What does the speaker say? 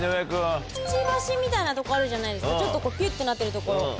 くちばしみたいなところあるじゃないですかちょっとピュってなってるところ。